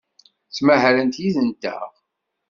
Ttmahalent yid-nteɣ.